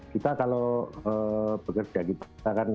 kita kalau bekerja kita kan